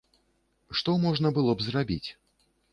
Што можна было б зрабіць?